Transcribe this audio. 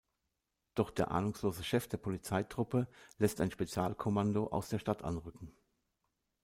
Doch der ahnungslose Chef der Polizeitruppe lässt ein Spezialeinsatzkommando aus der Stadt anrücken.